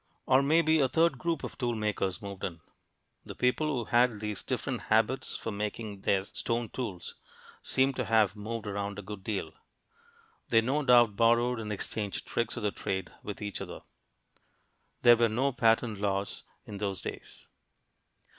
Or maybe a third group of tool makers moved in. The people who had these different habits for making their stone tools seem to have moved around a good deal. They no doubt borrowed and exchanged tricks of the trade with each other. There were no patent laws in those days.